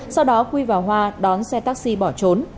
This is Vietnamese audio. sau đó quy và hoa đón xe taxi bỏ trốn